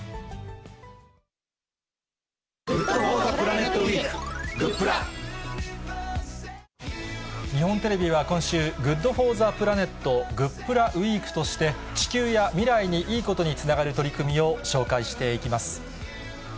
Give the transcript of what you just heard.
ウィーク、日本テレビは今週、ＧｏｏｄＦｏｒｔｈｅＰｌａｎｅｔ、グップラウィークとして、地球や未来にいいことにつながる取り組みを紹介していきます。